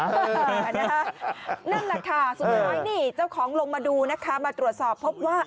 นั่นแหละค่ะสุดท้ายนี่เจ้าของลงมาดูนะคะมาตรวจสอบพบว่า